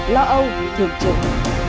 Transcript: lo âu thường trưởng